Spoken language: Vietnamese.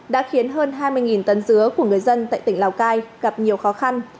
đã khiến hơn hai mươi tấn dứa của người dân tại tỉnh lào cai gặp nhiều khó khăn